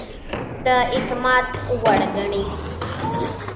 د اعتماد وړ ګڼي.